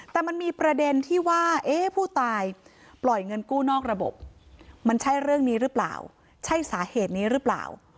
แต่มันมีประเด็นที่ว่าเอ๊ะผู้ตายปล่อยเงินกู้นอกระบบมันใช่เรื่องนี้หรือเปล่าใช่สาเหตุนี้หรือเปล่า